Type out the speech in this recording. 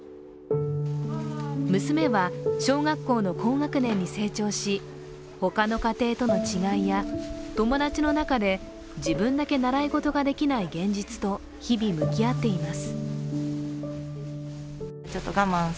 娘は小学校の高学年に成長し他の家庭との違いや友達の中で自分だけ習い事ができない現実と日々向き合っています。